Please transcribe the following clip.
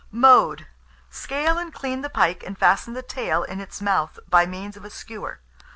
Mode. Scale and clean the pike, and fasten the tail in its mouth by means of a skewer.